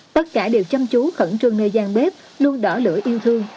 tất cả đều chăm chú khẩn trương nơi gian bếp luôn đỏ lửa yêu thương